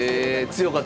強かった？